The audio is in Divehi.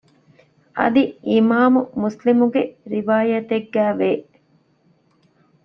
އަދި އިމާމު މުސްލިމުގެ ރިވާޔަތެއްގައި ވޭ